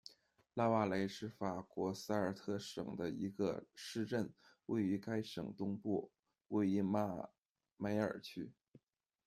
拉瓦雷是法国萨尔特省的一个市镇，位于该省东部，属于马梅尔区。